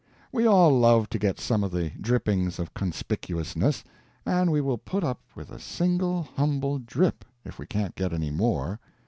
We all love to get some of the drippings of Conspicuousness, and we will put up with a single, humble drip, if we can't get any more.